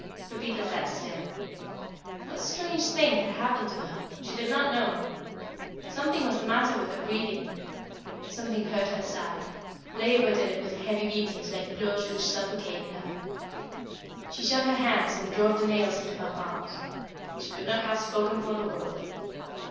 Pepita sat still. What strange thing had happened to her? She did not know. Something was the matter with her breathing. Something hurt her side labored in it with heavy beatings like blows which suffocated her. She shut her hands and drove the nails into her palms. She could not have spoken for the world.